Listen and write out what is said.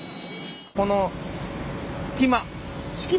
この隙間も？